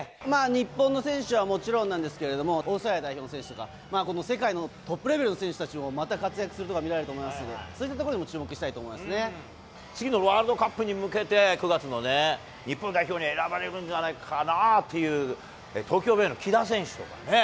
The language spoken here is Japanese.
日本の選手はもちろんなんですけれども、オーストラリア代表の選手とか、この世界のトップレベルの選手たちのまた活躍するところが見られると思いますので、そういったところにも注目したい次のワールドカップに向けて、９月のね、日本代表に選ばれるんじゃないかなっていう、東京ベイの木田選手とかね。